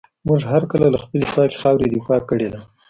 موږ هر کله له خپلي پاکي خاوري دفاع کړې ده.